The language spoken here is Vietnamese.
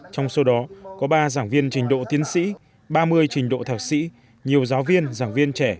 trong số đó có ba giảng viên trình độ tiến sĩ ba mươi trình độ thạc sĩ nhiều giáo viên giảng viên trẻ